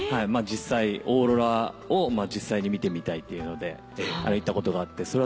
オーロラを実際に見てみたいっていうので行ったことがあって。